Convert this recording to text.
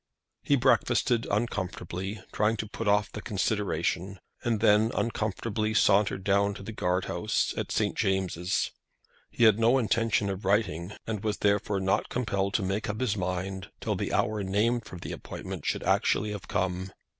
He breakfasted uncomfortably, trying to put off the consideration, and then uncomfortably sauntered down to the Guard House, at St. James's. He had no intention of writing, and was therefore not compelled to make up his mind till the hour named for the appointment should actually have come.